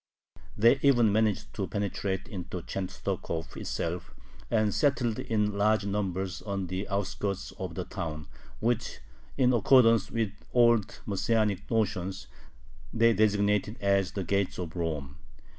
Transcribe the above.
They even managed to penetrate into Chenstokhov itself, and settled in large numbers on the outskirts of the town, which, in accordance with old Messianic notions, they designated as "the gates of Rome."